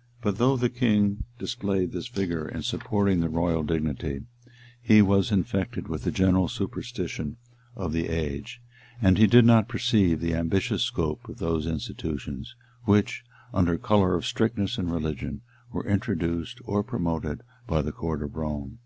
] But though the king displayed this vigor in supporting the royal dignity, he was infected with the general superstition of the age; and he did not perceive the ambitious scope of those institutions, which under color of strictness in religion, were introduced or promoted by the court of Rome.